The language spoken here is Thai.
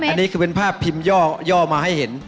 อันนี้คือเป็นภาพพิมพ์ย่อมาให้เห็น